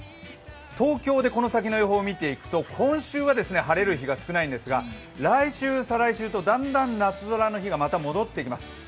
東京でこの先の予報を見ていくと今週は晴れる日が少ないんですが来週、再来週とだんだん夏空の日が戻ってきます。